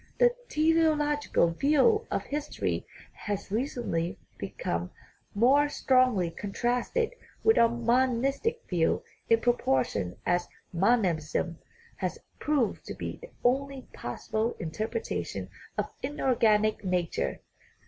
This teleo logical view of history has recently become more strong ly contrasted with our monistic view in proportion as monism has proved to be the only possible interpreta tion of inorganic nature.